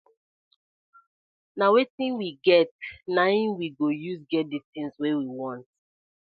Na wetin we get naim we go use get di tin wey we want.